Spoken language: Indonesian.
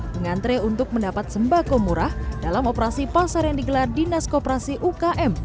mengantre untuk mendapat sembako murah dalam operasi pasar yang digelar dinas koperasi ukm